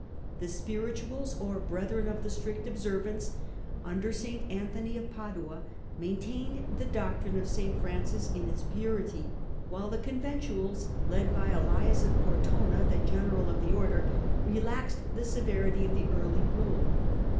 The " Spirituals " or brethren The of the "Strict Observance" under St Anthony of Padua uais " and maintained the doctrine of St Francis in its purity, while ventuais" the " Conventuals," led by Elias of Cortona, the General of the Order, relaxed the severity of the early rule.